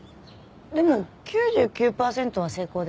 でも９９パーセントは成功ですよね。